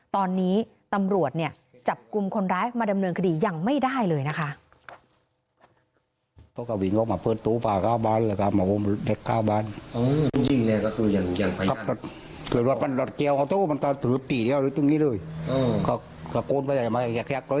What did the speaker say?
ตอนนี้ตำรวจเนี่ยจับกลุ่มคนร้ายมาดำเนินคดียังไม่ได้เลยนะคะ